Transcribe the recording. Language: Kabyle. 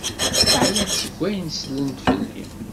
Ɛyant seg wayen sellent fell-i.